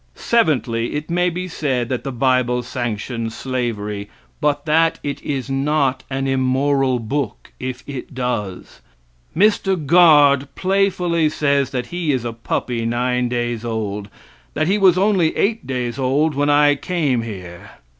Seventhly, it may be said that the bible sanctions slavery, but that it is not an immoral book if it does. Mr. Guard playfully says that he is a puppy nine days old; that he was only eight days old when I came here.